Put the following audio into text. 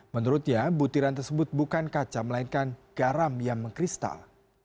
menurutnya butiran tersebut bukan kaca melainkan garam yang mengkristal